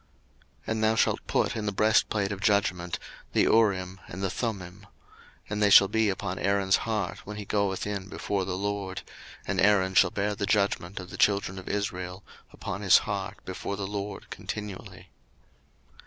02:028:030 And thou shalt put in the breastplate of judgment the Urim and the Thummim; and they shall be upon Aaron's heart, when he goeth in before the LORD: and Aaron shall bear the judgment of the children of Israel upon his heart before the LORD continually.